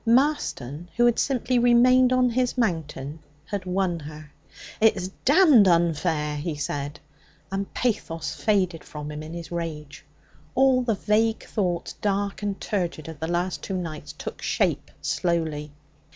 Marston, who had simply remained on his mountain, had won her. 'It's damned unfair!' he said, and pathos faded from him in his rage. All the vague thoughts, dark and turgid, of the last two nights took shape slowly.